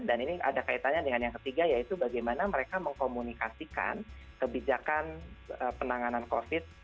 dan ini ada kaitannya dengan yang ketiga yaitu bagaimana mereka mengkomunikasikan kebijakan penanganan covid